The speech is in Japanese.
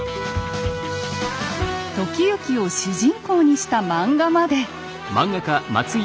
時行を主人公にした漫画まで。